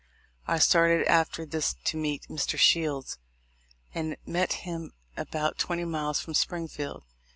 I started after this to meet Mr. Shields, and met him about twenty miles from Springfield.